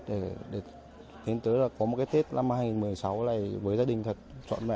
để đến tới có một cái tết năm hai nghìn một mươi sáu này với gia đình thật trọn mẹ